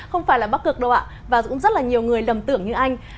không phải là bắc cực đâu ạ và cũng rất là nhiều người lầm tưởng như anh